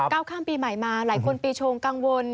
ข้ามปีใหม่มาหลายคนปีชงกังวล